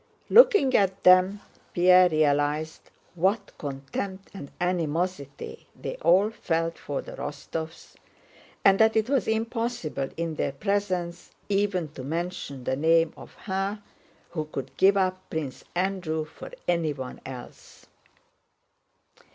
Looking at them Pierre realized what contempt and animosity they all felt for the Rostóvs, and that it was impossible in their presence even to mention the name of her who could give up Prince Andrew for anyone else.